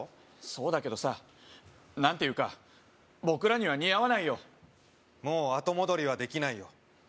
そうだけどさなんていうか僕らには似合わないよもう後戻りはできないよ